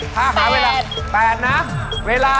หาเวลา